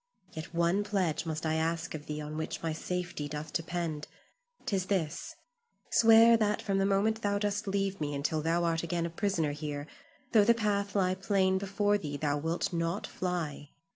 Yet one pledge must I ask of thee on which my safety doth depend. 'Tis this: Swear that from the moment thou dost leave me until thou art again a prisoner here, though the path lie plain before thee thou wilt not fly.